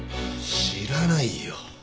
知らないよ。